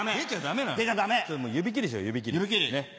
指切りしよう指切りねっ。